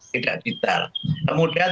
tidak jidal kemudian